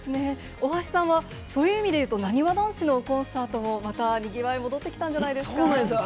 大橋さんはそういう意味で言うと、なにわ男子のコンサートもまたにぎわい、戻ってきたんじゃないでそうなんです。